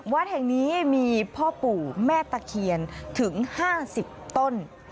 วัดแห่งนี้มีพ่อปู่แม่ตะเคียนถึง๕๐ต้น